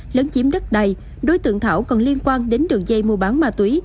lớn chiếm đất đầy đối tượng thảo còn liên quan đến đường dây mua bán ma túy